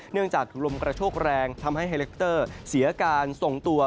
เนื่องจากลมกระโชคแรงทำให้ไฮเลคอปเตอร์เสียการส่งตัว